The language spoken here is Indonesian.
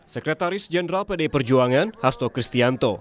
sekretaris jenderal pdi perjuangan hasto kristianto